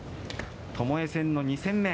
ともえ戦の２戦目。